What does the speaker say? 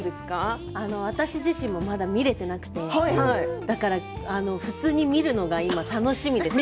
私自身もまだ見れてなくて普通に見るのが楽しみです。